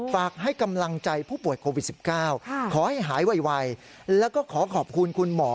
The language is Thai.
ฝากให้กำลังใจผู้ป่วยโควิด๑๙ขอให้หายไวแล้วก็ขอขอบคุณคุณหมอ